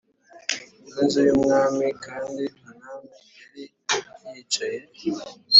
Rw inzu y umwami kandi umwami yari yicaye